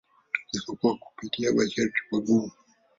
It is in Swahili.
Isipokuwa kupitia masharti magumu.